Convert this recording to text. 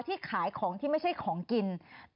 ที่ขายของที่ไม่ใช่ของกิน